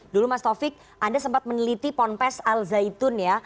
dulu mas taufik anda sempat meneliti ponpes al zaitun ya